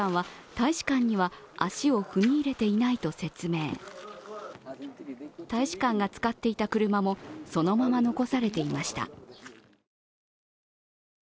大使館が使っていた車もそのまま残されていました。